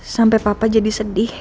sampai papa jadi sedih